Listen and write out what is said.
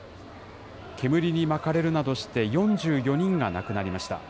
煙に巻かれるなどして、４４人が亡くなりました。